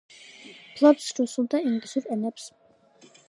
ფლობს რუსულ და ინგლისურ ენებს.